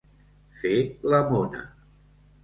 Fer la mona.